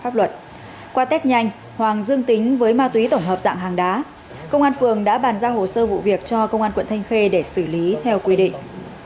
trương xuân hoàng dương tính với ma túy tổng hợp dạng hàng đá công an phường đã bàn ra hồ sơ vụ việc cho công an quận thanh khê để xử lý theo quy định